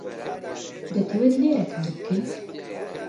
دەتەوێت لێرە کار بکەیت؟